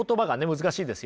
難しいですよね。